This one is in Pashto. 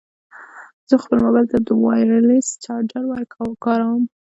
زه خپل مبایل ته د وایرلیس چارجر کاروم.